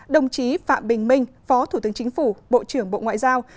đồng chí phạm bình minh phó thủ tướng chính phủ bộ trưởng bộ ngoại giao